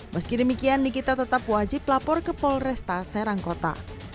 meski demikian nikita tetap wajib lapor ke polresta serangkota